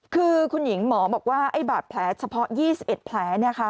คือคุณหญิงหมอบอกว่าไอ้บาดแผลเฉพาะ๒๑แผล